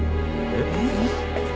えっ？